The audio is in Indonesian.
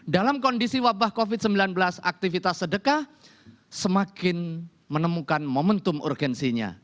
dalam kondisi wabah covid sembilan belas aktivitas sedekah semakin menemukan momentum urgensinya